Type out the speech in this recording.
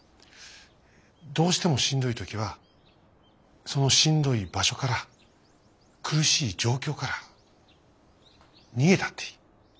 どうしてもしんどい時はそのしんどい場所から苦しい状況から逃げたっていい。